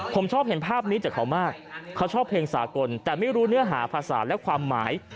ผมชอบเห็นภาพนี้จากเขามากเขาชอบเพลงสากลแต่ไม่รู้เนื้อหาภาษาและความหมาย